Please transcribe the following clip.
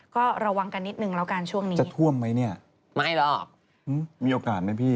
ก็ระวังกันนิดนึงแล้วกันช่วงนี้จะท่วมไหมเนี่ยไม่หรอกมีโอกาสไหมพี่